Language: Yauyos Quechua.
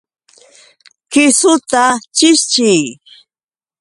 ¡Kisuta chishchiy!